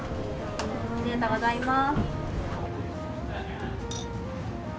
ありがとうございます。